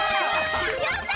やった！